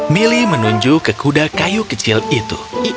milih menunjuk ke kuda kayu kecil itu